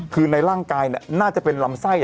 คือในร่างกายน่าจะเป็นลำไส้